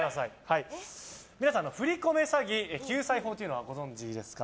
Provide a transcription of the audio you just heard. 皆さん、振り込め詐欺救済法をご存じですか？